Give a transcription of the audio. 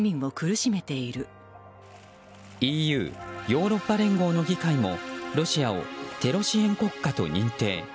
ＥＵ・ヨーロッパ連合の議会もロシアをテロ支援国家と認定。